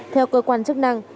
theo cơ quan chức năng